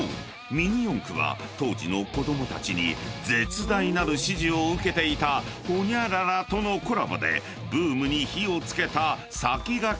ミニ四駆は当時の子供たちに絶大なる支持を受けていたホニャララとのコラボでブームに火を付けた先駆け的商品なのだが］